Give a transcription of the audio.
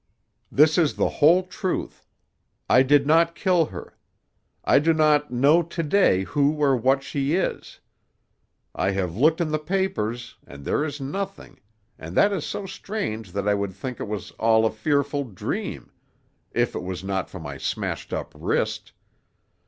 "This is the whole truth. I did not kill her. I do not know to day who or what she is. I have looked in the papers, and there is nothing, and that is so strange that I would think it was all a fearful dream, if it was not for my smashed up wrist.